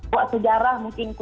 buat sejarah mungkin